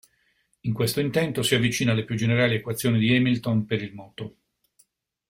In questo intento si avvicina alle più generali equazioni di Hamilton per il moto.